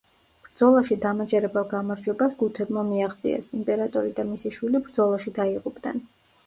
ბრძოლაში დამაჯერებელ გამარჯვებას გუთებმა მიაღწიეს, იმპერატორი და მისი შვილი ბრძოლაში დაიღუპნენ.